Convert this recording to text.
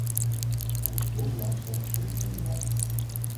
Er is veel belangstelling voor dit onderwerp.